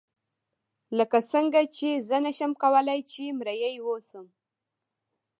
لکه څنګه چې زه نشم کولای چې مریی واوسم.